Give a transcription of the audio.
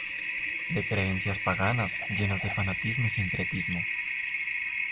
De creencias paganas llenas de fanatismo y sincretismo.